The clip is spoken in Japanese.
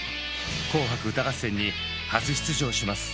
「紅白歌合戦」に初出場します。